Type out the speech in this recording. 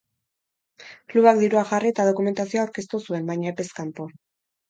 Klubak dirua jarri eta dokumentazioa aurkeztu zuen, baina epez kanpo.